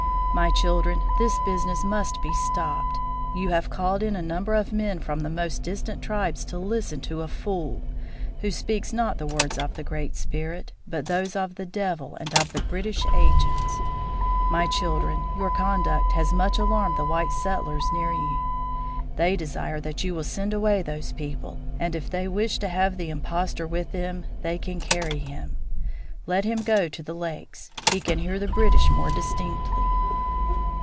"My children, this business must be stopped. You have called in a number of men from the most distant tribes to listen to a fool, who speaks not the words of the Great Spirit, but those of the devil and of the British agents. My children, your conduct has much alarmed the white settlers near you. They desire that you will send away those people, and if they wish to have the impostor with them they can carry him. Let him go to the lakes; he can hear the British more distinctly."